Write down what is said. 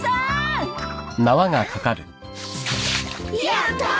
やったー！